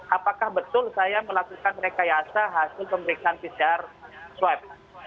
apakah betul saya melakukan rekayasa hasil pemeriksaan pcr swab